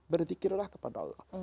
berzikirlah kepada allah